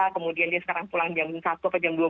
kemudian dia sekarang pulang jam satu atau jam dua belas